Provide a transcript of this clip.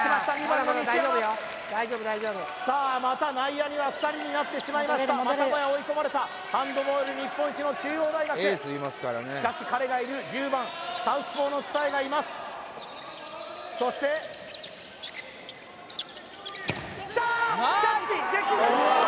２番の西山さあまた内野には２人になってしまいましたまたもや追い込まれたハンドボール日本一の中央大学しかし彼がいる１０番サウスポーの蔦谷がいますそしてきたー！